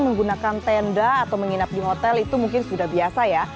menggunakan tenda atau menginap di hotel itu mungkin sudah biasa ya